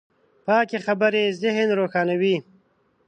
پاکې خبرې ذهن روښانوي.